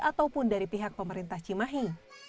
ataupun dari pihak pemerintah cimahi